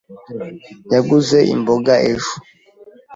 Yaguze imboga ejo.